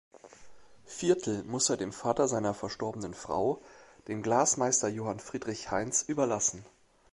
Viertel muss er dem Vater seiner verstorbenen Frau, dem Glasmeister Johann Friedrich Heinz überlassen.